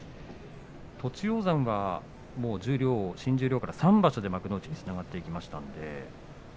栃煌山は３場所で幕内につながっていきました。